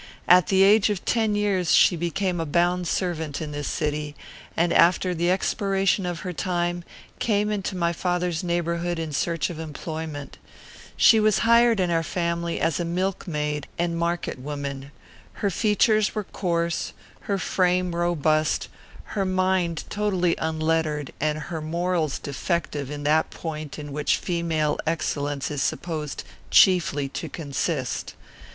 At the age of ten years she became a bound servant in this city, and, after the expiration of her time, came into my father's neighbourhood in search of employment. She was hired in our family as milkmaid and market woman. Her features were coarse, her frame robust, her mind totally unlettered, and her morals defective in that point in which female excellence is supposed chiefly to consist.